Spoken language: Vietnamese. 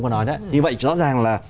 như vậy rõ ràng là